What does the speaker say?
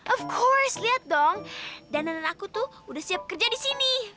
of course lihat dong dan aku tuh udah siap kerja di sini